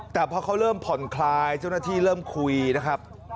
แต่พอเขาเริ่มผ่อนคลายเจ้าหน้าที่เริ่มคุยนะครับ